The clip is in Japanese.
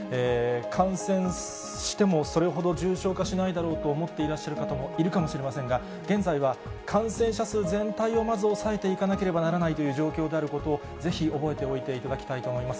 感染しても、それほど重症化しないだろうと思っていらっしゃる方もいるかもしれませんが、現在は、感染者数全体をまず抑えていかなければならないという状況であることを、ぜひ覚えておいていただきたいと思います。